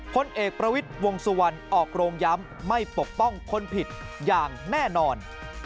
พลเอกประวิทย์วงสุวรรณออกโรงย้ำไม่ปกป้องคนผิดอย่างแน่นอน